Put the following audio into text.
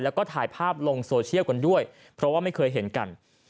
แล้วก็ถ่ายภาพลงโซเชียลกันด้วยเพราะว่าไม่เคยเห็นกัน